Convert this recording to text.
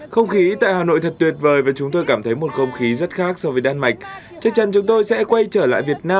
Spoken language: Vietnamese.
không khí tại hà nội thật tuyệt vời và chúng tôi cảm thấy một không khí rất khác so với đan mạch trước chân chúng tôi sẽ quay trở lại việt nam